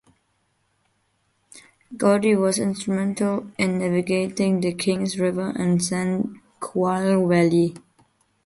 Godey was instrumental in navigating the Kings River and San Joaquin Valley.